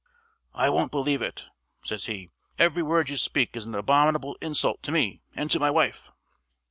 "I won't believe it," says he. "Every word you speak is an abominable insult to me and to my wife."